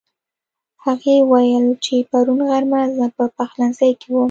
هغې وويل چې پرون غرمه زه په پخلنځي کې وم